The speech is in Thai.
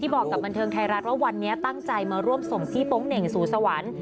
บอกกับบันเทิงไทยรัฐว่าวันนี้ตั้งใจมาร่วมส่งพี่โป๊งเหน่งสู่สวรรค์